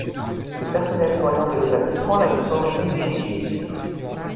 Le personnel soignant de l’établissement l’avait surnommé GéGé